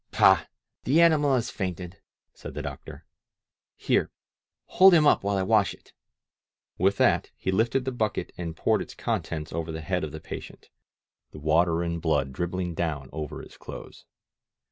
"Pah! The animal has fainted!" said the doctor. "Here, hold him up while I wash it!" With that he lifted the bucket and poured its contents over the head of the patient, the water and blood dribbling down over his clothes.